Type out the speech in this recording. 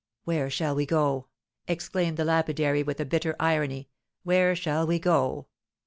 "Where shall we go," exclaimed the lapidary, with a bitter irony, "where shall we go?